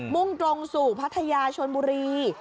่งตรงสู่พัทยาชนบุรี